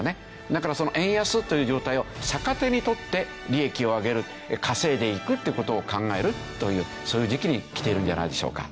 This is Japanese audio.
だからその円安という状態を逆手に取って利益を上げる稼いでいくっていう事を考えるというそういう時期にきているんじゃないでしょうか。